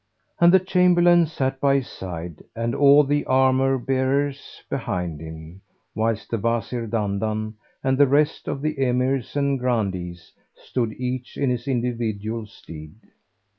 And the Chamberlain sat by his side and all the armour bearers[FN#379] behind him, whilst the Wazir Dandan and the rest of the Emirs and Grandees stood each in his individual stead.